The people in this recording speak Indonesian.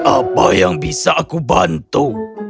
apa yang bisa aku bantu